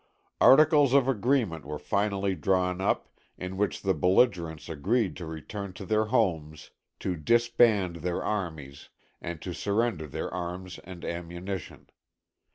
Articles of agreement were finally drawn up, in which the belligerents agreed to return to their homes, to disband their armies, and to surrender their arms and ammunition.